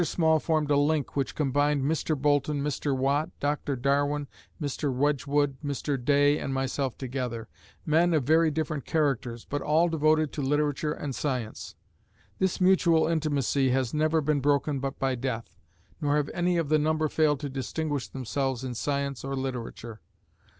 Small formed a link which combined Mr. Boulton, Mr. Watt, Dr. Darwin, Mr. Wedgwood, Mr. Day, and myself together men of very different characters, but all devoted to literature and science. This mutual intimacy has never been broken but by death, nor have any of the number failed to distinguish themselves in science or literature.